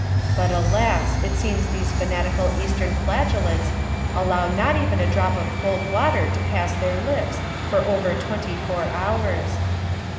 But, alas! it seems these fanatical Eastern flagellants allow not even a drop of cold water to pass their lips for over twenty four hours.